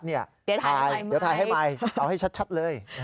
ถ่ายเดี๋ยวถ่ายให้ใหม่เอาให้ชัดเลย